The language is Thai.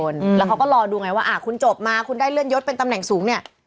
แล้วเขาก็รอดูไงว่าคุณจบมาคุณได้เลื่อนยศเป็นตำแหน่งสูงเนี่ย